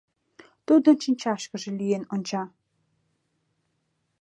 Тудын шинчашкыже лӱен онча.